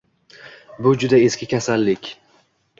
Bu juda eski kasallik.